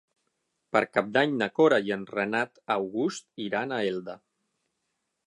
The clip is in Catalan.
Per Cap d'Any na Cora i en Renat August iran a Elda.